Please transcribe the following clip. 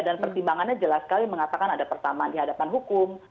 dan pertimbangannya jelas sekali mengatakan ada pertamaan di hadapan hukum